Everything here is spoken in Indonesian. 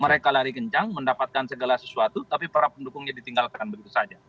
mereka lari kencang mendapatkan segala sesuatu tapi para pendukungnya ditinggalkan begitu saja